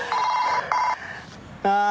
ああ。